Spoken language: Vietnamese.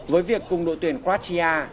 với việc cùng đội tuyển croatia